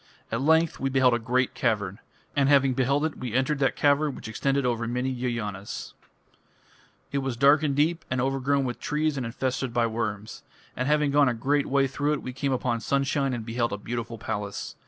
At length we beheld a great cavern. And having beheld it, we entered that cavern which extended over many yojanas. It was dark and deep, and overgrown with trees and infested by worms. And having gone a great way through it, we came upon sunshine and beheld a beautiful palace.